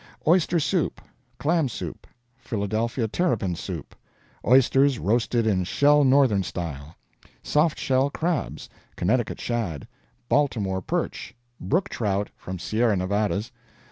Oyster soup. Clam Soup. Philadelphia Terapin soup. Oysters roasted in shell Northern style. Soft shell crabs. Connecticut shad. Baltimore perch. Brook trout, from Sierra Nevadas.